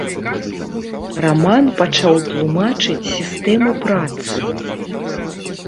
Раман пачаў тлумачыць сістэму працы.